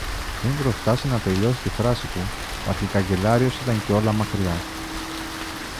Πριν προφτάσει να τελειώσει τη φράση του, ο αρχικαγκελάριος ήταν κιόλα μακριά.